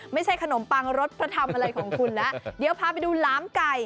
ไม่ใช่ขนมปังรสพระธรรมอะไรของคุณแล้วเดี๋ยวพาไปดูหลามไก่